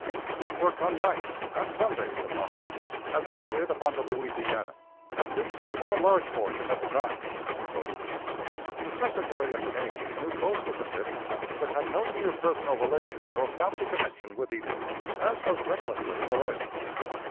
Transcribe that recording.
They worked on nights and Sundays upon her, as I did upon the Louisiana, at least for a large portion of the time." The Secretary of the Navy knew both of the Tifts, but had no near personal relations or family connection with either, as was recklessly alleged.